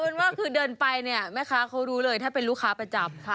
เอาเหมือนว่าคือเดินไปเนี่ยแม่คะเขารู้เลยถ้าเป็นลูกค้าประจำค่ะ